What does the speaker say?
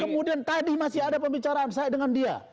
kemudian tadi masih ada pembicaraan saya dengan dia